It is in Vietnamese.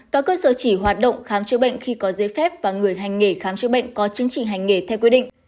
và cơ sở chỉ hoạt động khám chữa bệnh khi có giấy phép và người hành nghề khám chữa bệnh có chứng chỉ hành nghề theo quy định